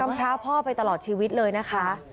พระพ่อไปตลอดชีวิตเลยนะคะ